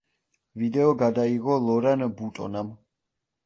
ვიდეო გადაიღო ლორან ბუტონამ.